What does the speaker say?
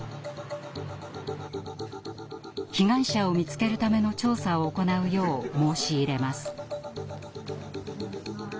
被害者を見つけるための調査を行うよう申し入れます。